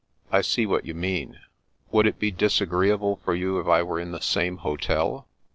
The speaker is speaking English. " I see what you mean. Would it be disagreeable for you if I were in the same hotel